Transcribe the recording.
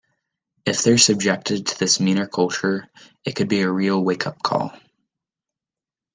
If they're subjected to this meaner culture, it could be a real wake-up call.